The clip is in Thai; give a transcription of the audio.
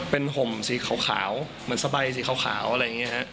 เป็นห่มสีขาวเหมือนสบายสีขาวอะไรอย่างนี้ฮะ